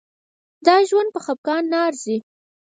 دا ژوند په خفګان نه ارزي.